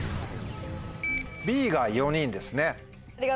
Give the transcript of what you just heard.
Ｂが４人ですね。